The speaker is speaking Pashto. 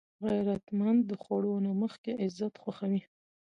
غیرتمند د خوړو نه مخکې عزت خوښوي